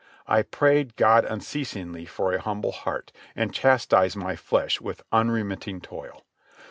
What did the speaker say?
I prayed God unceasingly for a humble heart, and chastised my flesh with unremitting toil.